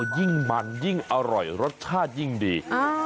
ยิ่งมันยิ่งอร่อยรสชาติยิ่งดี